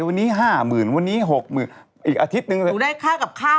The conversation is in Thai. วันนี้ห้าหมื่นวันนี้หกหมื่นอีกอาทิตย์หนึ่งเลยหนูได้ค่ากับข้าว